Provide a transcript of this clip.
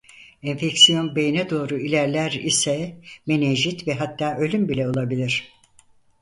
Enfeksiyon beyne doğru ilerler ise menenjit ve hatta ölüm bile olabilir.